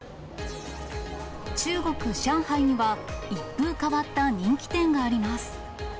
中国・上海には、一風変わった人気店があります。